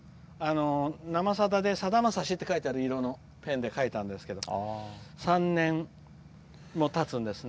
「生さだ」で、さだまさしってペンで書いたんですけど３年もたつんですね。